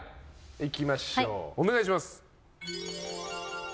いきましょうお願いします。